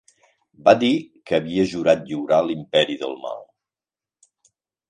Va dir que havia jurat lliurar l'imperi del mal.